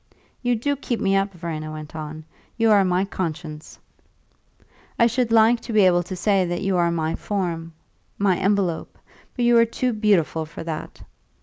"You do keep me up," Verena went on. "You are my conscience." "I should like to be able to say that you are my form my envelope. But you are too beautiful for that!"